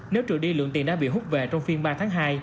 nếu trừ đi lượng tiền đã bị hút về trong phiên ba tháng hai